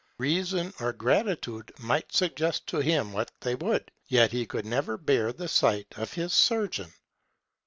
Eeason or gratitude might suggest to him what they would, yet he could never bear the sight of this surgeon.